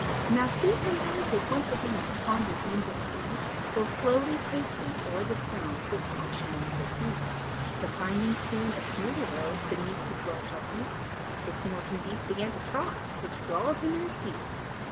Now see him mounted once again Upon his nimble steed, Full slowly pacing o'er the stones, With caution and good heed. But finding soon a smoother road Beneath his well shod feet, The snorting beast began to trot, Which galled him in his seat.